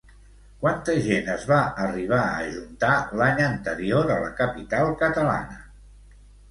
Quanta gent es va arribar a ajuntar l'any anterior a la capital catalana?